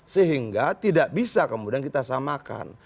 sehingga tidak bisa kemudian kita samakan